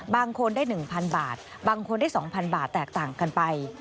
บางคนได้๑๐๐บาทบางคนได้๒๐๐บาทแตกต่างกันไป